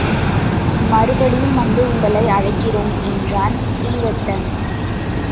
மறுபடியும் வந்து உங்களை அழைக்கிறோம் என்றான் சீதத்தன்.